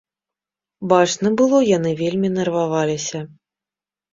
Бачна было, яны вельмі нерваваліся.